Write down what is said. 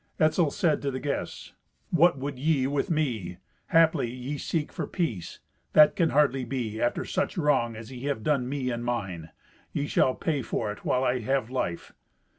Etzel said to the guests, "What would ye with me? Haply ye seek for peace. That can hardly be, after such wrong as ye have done me and mine. Ye shall pay for it while I have life.